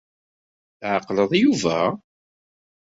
Tɛeqleḍ Yuba?